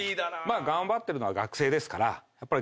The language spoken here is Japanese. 頑張ってるのは学生ですから。